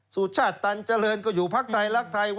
สุชาติตันเจริญก็อยู่พักไทยรักไทย